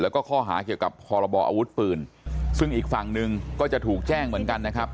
แล้วก็ข้อหาเกี่ยวกับพรบออาวุธปืนซึ่งอีกฝั่งหนึ่งก็จะถูกแจ้งเหมือนกันนะครับ